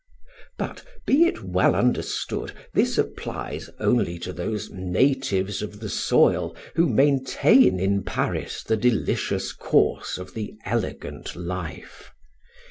But, be it well understood this applies only to those natives of the soil who maintain in Paris the delicious course of the elegant life.